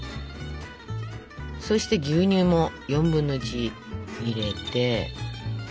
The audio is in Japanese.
そして牛乳も４分の１入れて。